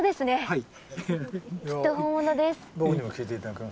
はい。